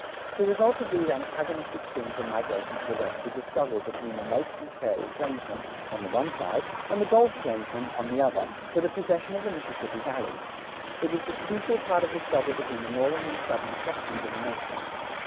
The result of these antagonistic streams of migration to the West was a struggle between the Lake and Prairie plainsmen, on the one side, and the Gulf plainsmen, on the other, for the possession of the Mississippi Valley. It was the crucial part of the struggle between the Northern and Southern sections of the nation.